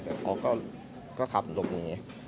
แต่เขาก็ขับหลบหนี